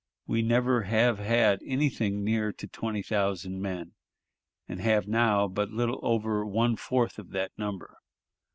We never have had anything near to twenty thousand men, and have now but little over one fourth of that number....